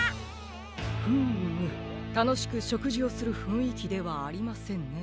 フムたのしくしょくじをするふんいきではありませんね。